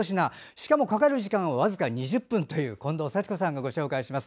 しかもかかる時間はわずか２０分という近藤幸子さんがご紹介します。